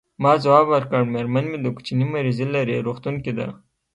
ما ځواب ورکړ: میرمن مې د کوچني مریضي لري، روغتون کې ده.